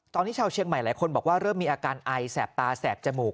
ตอนนี้ชาวเชียงใหม่หลายคนบอกว่าเริ่มมีอาการไอแสบตาแสบจมูก